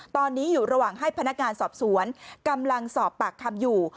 ตอนนี้อยู่ระหว่างให้พนักงานสอบสวนกำลังสอบปากคำอยู่